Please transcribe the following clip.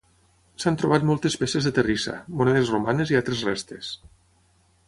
S'han trobat moltes peces de terrissa, monedes romanes i altres restes.